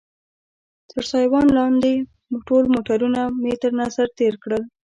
تر سایوان لاندې ټول موټرونه مې تر نظر تېر کړل.